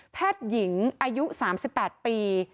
แพทย์หญิงอายุ๓๘ปี